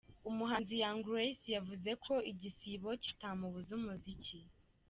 Umuhanzi Young Grace yavuze ko igisibo kitamubuza umuziki.